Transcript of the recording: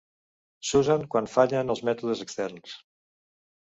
S'usen quan fallen els mètodes externs.